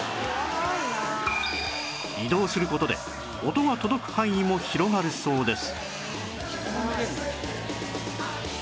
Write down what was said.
移動する事で音が届く範囲も広がるそうです